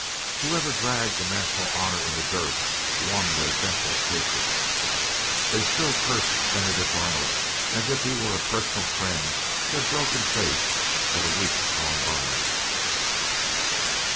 Whoever dragged the national honor in the dirt won their deathless hatred. They still cursed Benedict Arnold as if he were a personal friend who had broken faith but a week gone by.